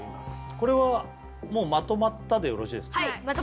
これはもうまとまったでよろしいですか？